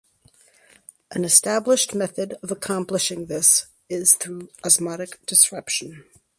An established method of accomplishing this is through osmotic disruption.